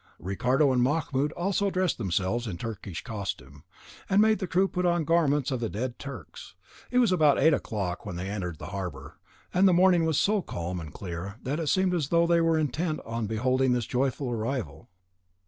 Ricardo and Mahmoud also dressed themselves in the Turkish costume, and made the crew put on the garments of the dead Turks. It was about eight o'clock when they entered the harbour, and the morning was so calm and clear that it seemed as though it were intent on beholding this joyful arrival.